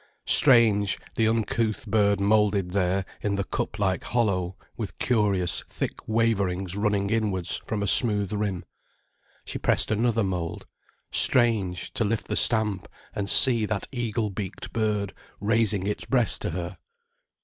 Strange, the uncouth bird moulded there, in the cup like hollow, with curious, thick waverings running inwards from a smooth rim. She pressed another mould. Strange, to lift the stamp and see that eagle beaked bird raising its breast to her.